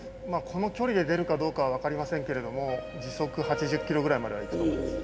この距離で出るかどうかは分かりませんけれども時速８０キロぐらいまではいくと思います。